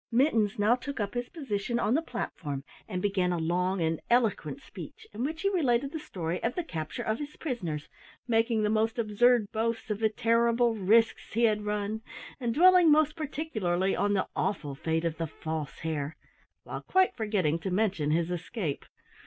Mittens now took up his position on the platform and began a long and eloquent speech in which he related the story of the capture of his prisoners, making the most absurd boasts of the terrible risks he had run, and dwelling most particularly on the awful fate of the False Hare while quite forgetting to mention his escape.